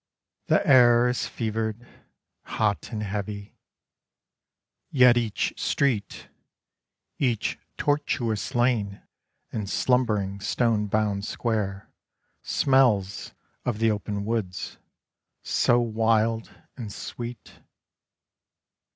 The air Is fever'd, hot and heavy — yet each street Each tortuous lane and slumb'ring stone bound square Smells of the open woods, so wild and sweet.